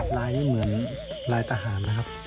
ลายนี้เหมือนลายทหารนะครับ